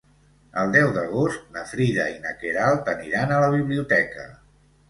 El deu d'agost na Frida i na Queralt aniran a la biblioteca.